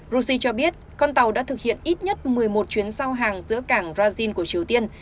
russia cho biết con tàu đã thực hiện ít nhất một mươi một chuyến sao hàng giữa cảng razin của triều tiên